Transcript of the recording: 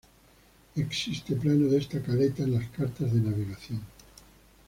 Existe plano de esta caleta en las cartas de navegación.